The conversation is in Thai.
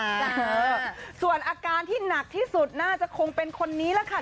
เออส่วนอาการที่หนักที่สุดน่าจะคงเป็นคนนี้แหละค่ะ